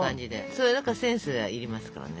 それだからセンスが要りますからね。